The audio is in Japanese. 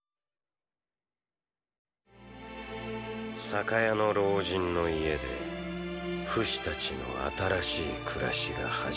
酒屋の老人の家でフシたちの新しい暮らしが始まる。